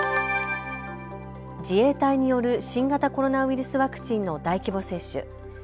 自衛隊による新型コロナウイルスワクチンの大規模接種。